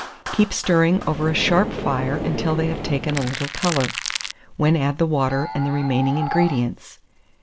Keep stirring over a sharp fire until they have taken a little colour, when add the water and the remaining ingredients.